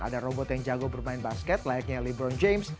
ada robot yang jago bermain basket layaknya libron james